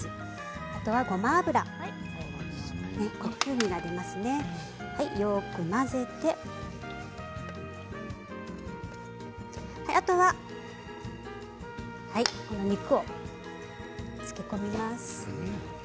あとはごま油、よく混ぜてあとは肉を漬け込みます。